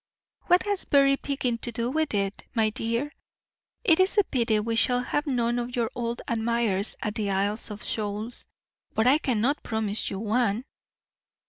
"What has berry picking to do with it? My dear, it is a pity we shall have none of your old admirers at the Isles of Shoals; but I cannot promise you one.